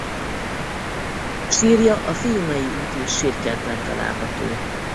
Sírja a Fiumei úti Sírkertben található.